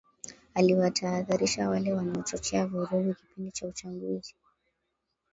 aliwaatahadharisha wale wanaochochea vurugu kipindi cha uchaguzi